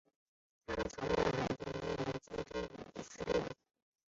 曾任海军西营基地司令员。